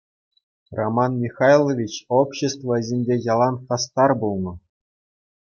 Роман Михайлович общество ӗҫӗнче ялан хастар пулнӑ.